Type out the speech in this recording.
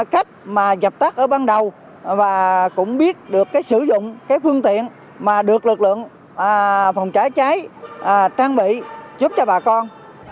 cách mà dập tắt ở ban đầu và cũng biết được sử dụng cái phương tiện mà được lực lượng phòng cháy cháy trang bị giúp cho bà con